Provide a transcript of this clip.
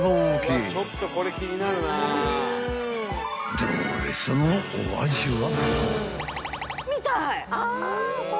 ［どれそのお味は？］